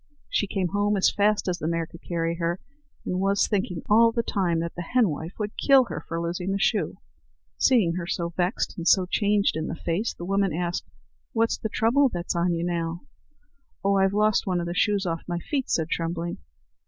She came home as fast as the mare could carry her, and was thinking all the time that the henwife would kill her for losing the shoe. Seeing her so vexed and so changed in the face, the old woman asked: "What's the trouble that's on you now?" "Oh! I've lost one of the shoes off my feet," said Trembling.